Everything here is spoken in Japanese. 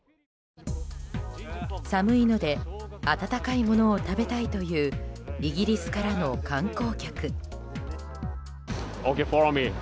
寒いので温かいものを食べたいというイギリスからの観光客。